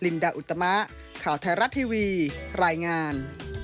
ดาอุตมะข่าวไทยรัฐทีวีรายงาน